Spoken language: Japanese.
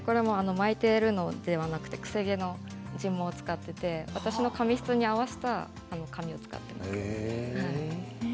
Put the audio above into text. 巻いているのではなく癖毛の人毛を使っていて私の髪質に合わせた髪を使っています。